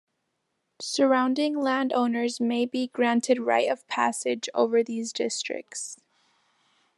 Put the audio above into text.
Surrounding land owners may be granted right of passage over these districts.